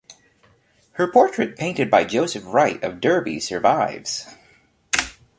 Her portrait painted by Joseph Wright of Derby survives.